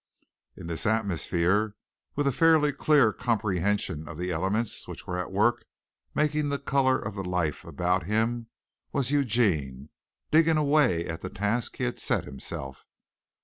In this atmosphere, with a fairly clear comprehension of the elements which were at work making the colour of the life about him, was Eugene, digging away at the task he had set himself.